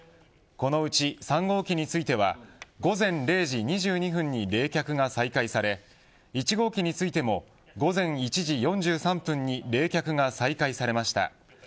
このうち３号機については午前０時２２分に冷却が再開され１号機についても午前１時４３分に冷却が再開されました。